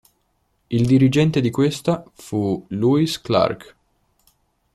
Il dirigente di questa fu Louis Clark.